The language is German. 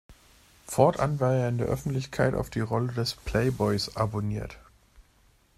Fortan war er in der Öffentlichkeit auf die Rolle des Playboys abonniert.